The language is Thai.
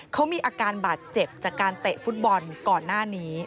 เขามีอาการบาดเจ็บจากการเตะฟุตบอลก่อนหน้านี้